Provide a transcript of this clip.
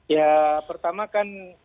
ya pertama kan